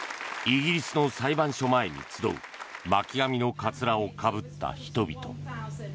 イギリスの裁判所前に集う巻き髪のかつらをかぶった人々。